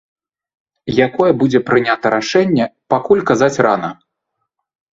Якое будзе прынята рашэнне, пакуль казаць рана.